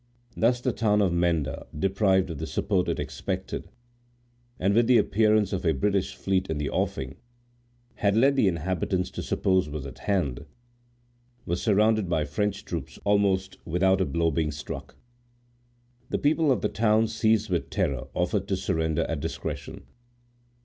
Thus the town of Menda, deprived of the support it expected, and which the appearance of the British fleet in the offing had led the inhabitants to suppose was at hand, was surrounded by French troops almost without a blow being struck. The people of the town, seized with terror, offered to surrender at discretion.